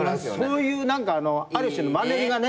そういうある種のマンネリがね。